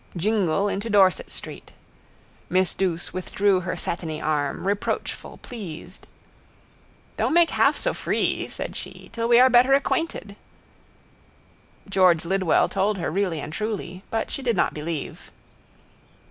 Jingle into Dorset street. Miss Douce withdrew her satiny arm, reproachful, pleased. —Don't make half so free, said she, till we are better acquainted. George Lidwell told her really and truly: but she did not believe.